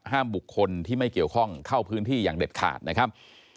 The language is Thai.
บุคคลที่ไม่เกี่ยวข้องเข้าพื้นที่อย่างเด็ดขาดนะครับ